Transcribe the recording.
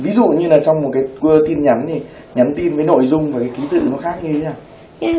ví dụ như là trong một cái tin nhắn thì nhắn tin với nội dung và cái ký tự nó khác như thế nào